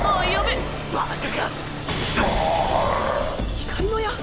光の矢⁉